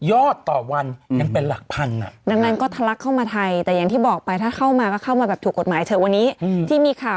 ยอดต่อวันยังเป็นหลักพังอ่ะดังนั้นทั้งการทลักษณ์เข้ามาไทยแต่อย่างที่บอกไปถ้าเข้ามาก็เข้ามาแบบถูกกฎหมายเถอะ